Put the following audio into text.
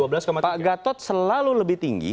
pak gatot selalu lebih tinggi